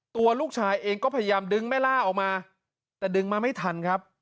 ตัวลูกชายเองก็พยายามดึงแม่ล่าออกมาแต่ดึงมาไม่ทันครับ